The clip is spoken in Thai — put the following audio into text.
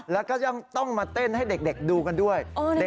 แล้วก็ยังต้องมาเต้นให้เด็กดูกันด้วย